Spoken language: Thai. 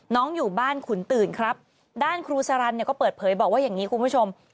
อยู่บ้านขุนตื่นครับด้านครูสารันเนี่ยก็เปิดเผยบอกว่าอย่างนี้คุณผู้ชม